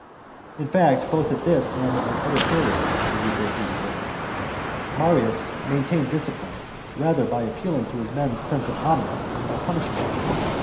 In fact, both at this and other periods [of the Jugurthine war], Marius main tained discipline rather by appealing to his men's sense of honour than by punishments.